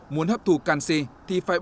muốn hấp thù canxi thì phải